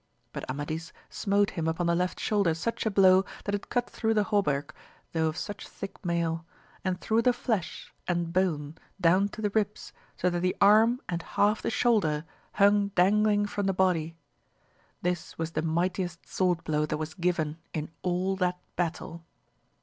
But Amadis smote him upon the left shoulder such a blow that it cut through the hauberk, tho' of such thick mail, and through the flesh and bone down to the ribs, so that the arm and half the shoulder hung dangling from the body. This was the mightiest sword blow that was given in all that battle.